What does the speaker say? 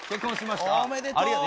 おめでとう。